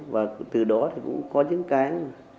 và từ đó thì cũng có những cái